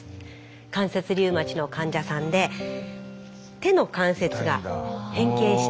関節リウマチの患者さんで手の関節が変形して痛みも出ています。